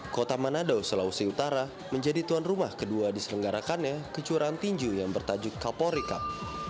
kota manado sulawesi utara menjadi tuan rumah kedua diselenggarakannya kejuaraan tinju yang bertajuk kapolri cup